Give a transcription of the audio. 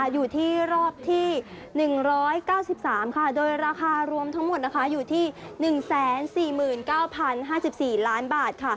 อยู่ที่รอบที่๑๙๓โดยราคารวมทั้งหมดอยู่ที่๑๔๙๐๕๔ล้านบาท